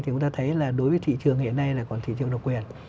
thì chúng ta thấy là đối với thị trường hiện nay là còn thị trường độc quyền